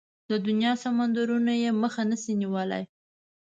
د دنيا سمندرونه يې مخه نشي نيولای.